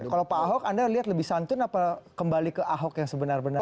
kalau pak ahok anda lihat lebih santun apa kembali ke ahok yang sebenar benar